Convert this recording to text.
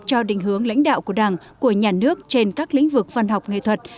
cho định hướng lãnh đạo của đảng của nhà nước trên các lĩnh vực văn học nghệ thuật